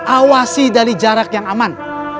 awasi dari jarak yang aman